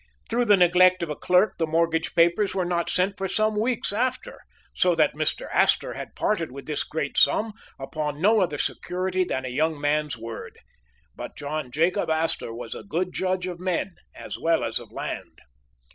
Through the neglect of a clerk the mortgage papers were not sent for some weeks after, so that Mr. Astor had parted with this great sum upon no other security than a young man's word. But John Jacob Astor was a good judge of men, as well as of land.